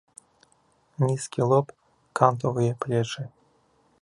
Нізкі лоб, кантовыя плечы.